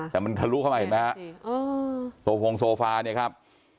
แต่มันทะลุเข้ามาเห็นไหมฮะโซฟงโซฟาเนี่ยครับ